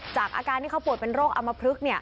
อาการที่เขาป่วยเป็นโรคอำมพลึก